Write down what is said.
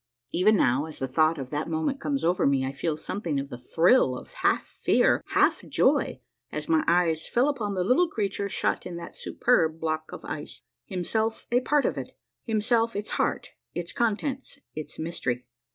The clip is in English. " Even now, as the thought of that moment comes over me, I feel something of the thrill of half fear, half joy, as my eyes fell upon the little creature shut in that superb block of ice, himself a part of it, himself its heart, its contents, its mystery.